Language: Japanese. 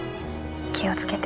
気を付けて。